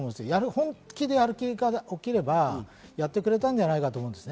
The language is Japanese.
本気でやる気が起きればやってくれたんじゃないかと思います。